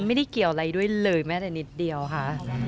ไม่ได้เกี่ยวอะไรด้วยเลยแม้แต่นิดเดียวค่ะ